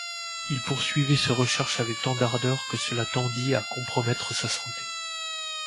Il poursuivait ses recherches avec tant d'ardeur que cela tendit à compromettre sa santé.